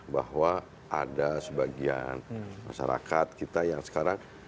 bahwa ada sebagian masyarakat kita yang sekarang